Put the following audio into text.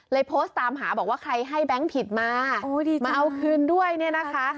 โพสต์ตามหาบอกว่าใครให้แบงค์ผิดมามาเอาคืนด้วยเนี่ยนะคะ